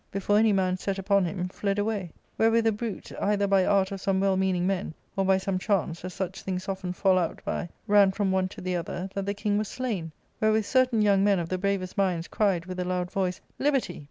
— before any man set upon him, fled away^^v^ Wherewith a bruit, either by art of some well meaning men, or by some chance, as such things often fall out by, ran from one to the other, that the king was slain ; wherewith certain young men of the bravest minds cried with a loud voice, * Liberty